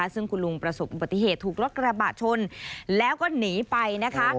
ซึ่งคุณลุงประสงค์ปฏิเหตุถูกรถระบะชนแล้วก็หนีไป